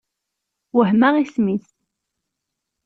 Wehmeɣ isem-is.